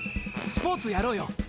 スポーツやろうよ。